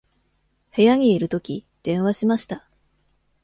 部屋にいるとき、電話しました。